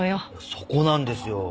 そこなんですよ。